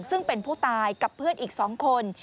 ซึ่งเป็นผู้ตายกับเพื่อนอีก๒คน